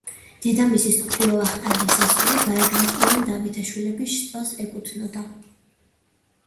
დედამისი, სოფიო ვახტანგის ასული, ბაგრატიონ–დავითაშვილების შტოს ეკუთვნოდა.